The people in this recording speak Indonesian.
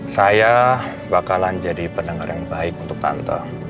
saya bakalan jadi pendengar yang baik untuk tante